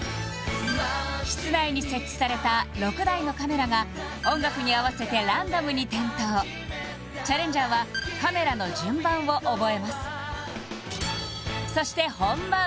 室内に設置された６台のカメラが音楽に合わせてランダムに点灯チャレンジャーはカメラの順番を覚えますそして本番！